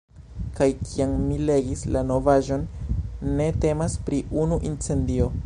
Kaj kiam mi legis la novaĵon, ne temas pri unu incendio.